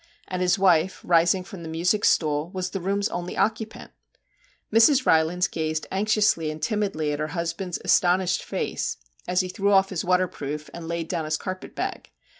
And his wife, rising from the music stool, was the room's only occupant ! Mrs. Ry lands gazed anxiously and timidly at her husband's astonished face as he threw 38 MR. JACK HAMLIN'S MEDIATION off his waterproof and laid down his carpet bag.